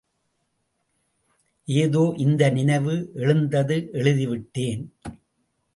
ஏதோ இந்த நினைவு எழுந்தது எழுதிவிட்டேன்.